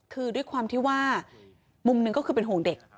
คือด้วยความที่ว่ามุมหนึ่งก็คือเป็นห่วงเด็ก